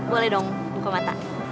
boleh dong buka mata